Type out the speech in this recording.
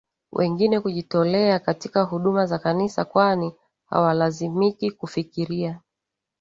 wengine kujitolea katika huduma za Kanisa kwani hawalazimiki kufikiria